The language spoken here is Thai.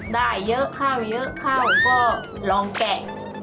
ได้เยอะข้าวเยอะข้าวก็ลองแกะ